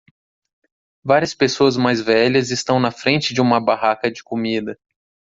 Várias pessoas mais velhas estão na frente de uma barraca de comida.